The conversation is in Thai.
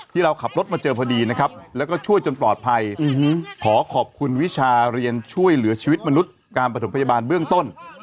เราขับรถมาเจอพอดีนะครับแล้วก็ช่วยจนปลอดภัยขอขอบคุณวิชาเรียนช่วยเหลือชีวิตมนุษย์การประถมพยาบาลเบื้องต้น